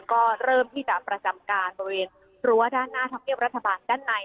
ก็เริ่มที่จะประจำการบริเวณรั้วด้านหน้าธรรมเนียบรัฐบาลด้านใน